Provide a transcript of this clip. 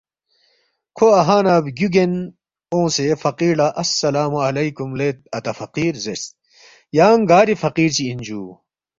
کھو اَہا نہ بگیُوگین اونگسے فقیر لہ ”السّلام علیکم لے اتا فقیر“زیرس، ”یانگ گاری فقیر چی اِن جُو؟“